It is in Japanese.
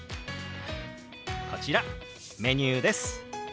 こちらメニューです。